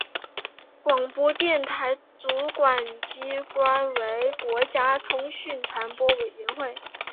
广播电台的主管机关为国家通讯传播委员会。